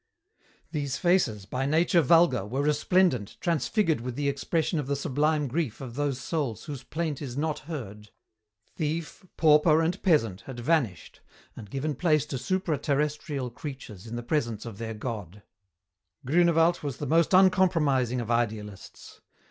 These faces, by nature vulgar, were resplendent, transfigured with the expression of the sublime grief of those souls whose plaint is not heard. Thief, pauper, and peasant had vanished and given place to supraterrestial creatures in the presence of their God. Grünewald was the most uncompromising of idealists.